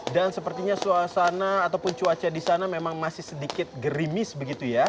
dan sepertinya suasana ataupun cuaca di sana memang masih sedikit gerimis begitu ya